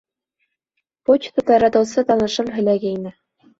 Почта таратыусы танышым һөйләгәйне.